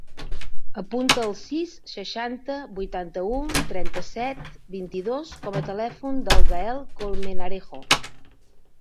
Apunta el sis, seixanta, vuitanta-u, trenta-set, vint-i-dos com a telèfon del Gael Colmenarejo.